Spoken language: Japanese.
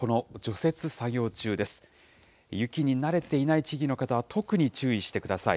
雪に慣れていない地域の方は特に注意してください。